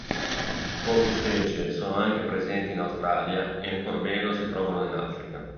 Poche specie sono anche presenti in Australia e ancor meno si trovano in Africa.